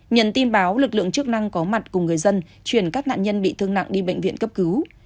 nhận tin báo lực lượng chức năng có mặt cùng người dân chuyển các nạn nhân bị thương nặng đi bệnh viện cấp cứu